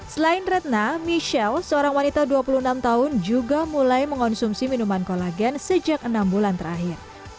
selain retna michelle seorang wanita dua puluh enam tahun juga mulai mengonsumsi minuman kolagen sejak enam bulan terakhir